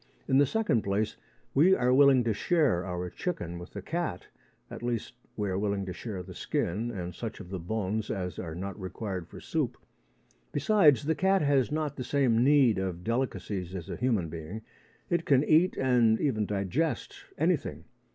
In the second place, we are willing to share our chicken with the cat at least, we are willing to share the skin and such of the bones as are not required for soup. Besides, a cat has not the same need of delicacies as a human being. It can eat, and even digest, anything.